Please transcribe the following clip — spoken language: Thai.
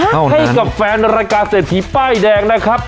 ให้กับแฟนรายการเศรษฐีป้ายแดงนะครับ